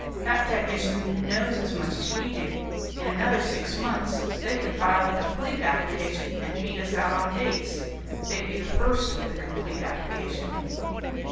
That technician knows as much as we do. In another six months they could file a complete application and beat us out on dates; they'd be first with the complete application."